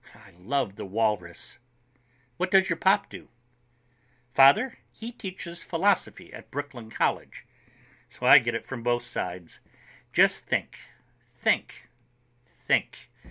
I love the walrus." "What does your pop do?" "Father? He teaches philosophy at Brooklyn College. So I get it from both sides. Just think, think, think.